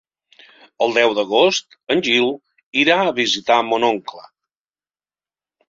El deu d'agost en Gil irà a visitar mon oncle.